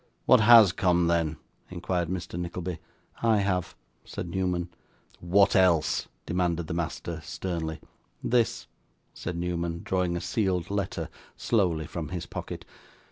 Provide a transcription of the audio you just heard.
'What HAS come, then?' inquired Mr. Nickleby. 'I have,' said Newman. 'What else?' demanded the master, sternly. 'This,' said Newman, drawing a sealed letter slowly from his pocket.